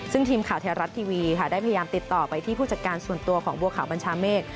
ซึ่งทีมข่าวไทยรัฐทีวีค่ะได้พยายามติดต่อไปที่ผู้จัดการส่วนตัวของบัวขาวบัญชาเมฆ